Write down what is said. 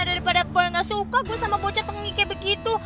daripada boy gak suka gue sama bocah tengi kayak begitu